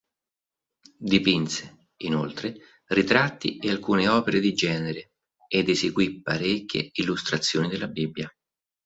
Dipinse, inoltre, ritratti e alcune opere di genere ed eseguì parecchie illustrazioni della Bibbia.